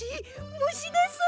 むしです！